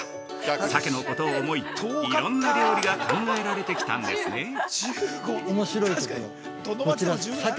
鮭のことを思い、いろんな料理が考えられてきたんですね。